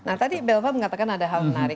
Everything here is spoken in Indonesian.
nah tadi belva mengatakan ada hal menarik